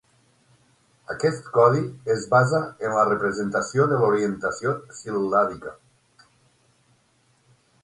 Aquest codi es basa en la representació de l'orientació sil·làbica.